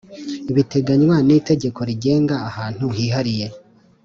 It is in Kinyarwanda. Biteganywa n itegeko rigenga ahantu hihariye